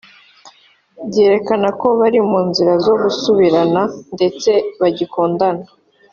byerekana ko bari mu nzira zo gusubirana ndetse bagikundana